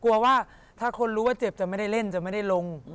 กลัวว่าถ้าคนรู้ว่าเจ็บจะไม่ได้เล่นจะไม่ได้ลง